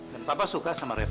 dan papa suka sama refah